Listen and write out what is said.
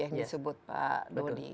startup yang disebut pak doni